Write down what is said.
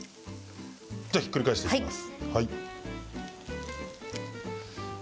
じゃあ、ひっくり返していきます。